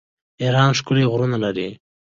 ایران ښکلي غرونه لري.